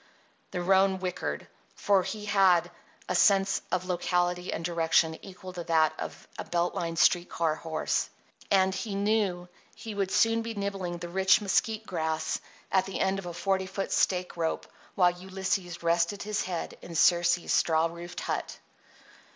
The roan whickered; for he had a sense of locality and direction equal to that of a belt line street car horse; and he knew he would soon be nibbling the rich mesquite grass at the end of a forty foot stake rope while Ulysses rested his head in Circe's straw roofed hut.